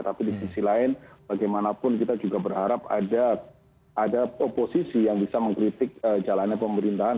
tapi di sisi lain bagaimanapun kita juga berharap ada oposisi yang bisa mengkritik jalannya pemerintahan